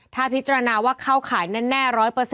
ถ้าพิจารณาว่าเข้าข่ายแน่๑๐๐